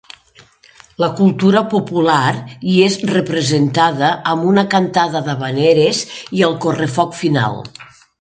La cultura popular hi és representada amb una cantada d’havaneres i el correfoc final.